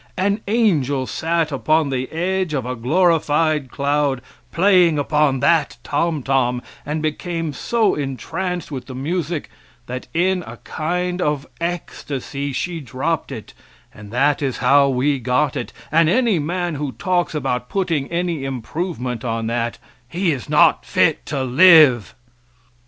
An angel sat upon the edge of a glorified cloud playing upon that tomtom and became so entranced with the music that in a kind of ecstasy she dropped it and that is how we got it, and any man who talks about putting any improvement on that, he is not fit to live."